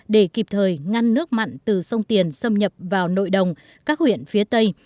để kịp thời ngăn nước mặn từ sông tiền xâm nhập vào nội đồng các huyện phía tây